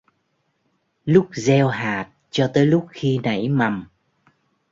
Lúc gieo hạt cho tới lúc khi nảy mầm